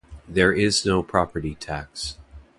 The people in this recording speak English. There is no property tax.